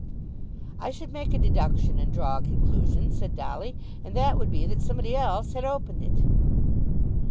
"I should make a deduction and draw a conclusion," said Dolly; "and that would be that somebody else had opened it."